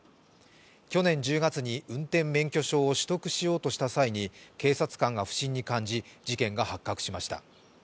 去年１０月に運転免許証を取得しようとした際に警察官が不審に感じ、事件が発覚しました。